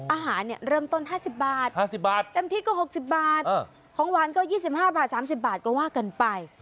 อาหารเริ่มต้น๕๐บาท๕๐บาทเต็มที่ก็๖๐บาทของหวานก็๒๕บาท๓๐บาทก็ว่ากันไป